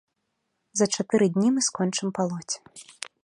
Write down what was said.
За чатыры дні мы скончым палоць.